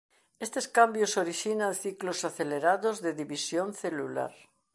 Estes cambios orixinan ciclos acelerados de división celular.